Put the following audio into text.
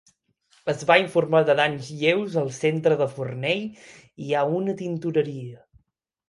Es va informar de danys lleus al centre de Forney i a una tintoreria.